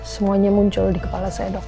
semuanya muncul di kepala saya dok